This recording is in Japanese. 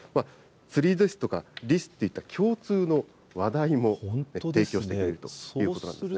釣りですとかリスですとか、共通の話題も提供してくれるということなんですね。